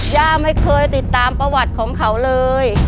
ย่าไม่เคยติดตามประวัติของเขาเลย